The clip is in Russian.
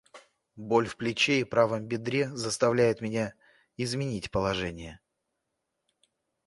Боль в плече и правом бедре заставляет меня изменить положение.